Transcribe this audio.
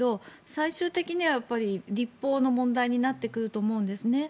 最終的には立法の問題になってくると思うんですね。